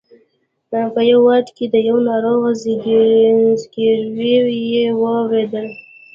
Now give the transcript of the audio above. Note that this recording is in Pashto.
په یوه واټ کې د یوه ناروغ زګېروی یې واورېدل.